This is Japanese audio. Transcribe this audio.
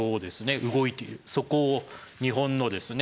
そこを日本のですね